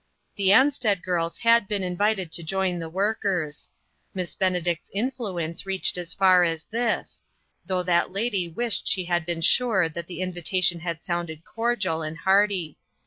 The Ansted girls had been invited to join the workers. Miss Benedict's influence reached as far as this, though that lady wished she had been sure that the invitation had sounded cordial and hearty.